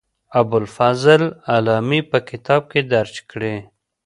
ابوالفضل علامي په کتاب کې درج کړې.